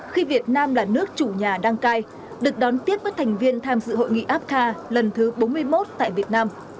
khi việt nam là nước chủ nhà đăng cai được đón tiếp với thành viên tham dự hội nghị apca lần thứ bốn mươi một tại việt nam